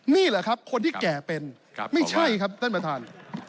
นี่แหละครับคนที่แก่เป็นไม่ใช่ครับท่านประธาน